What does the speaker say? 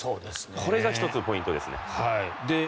これが１つポイントですね。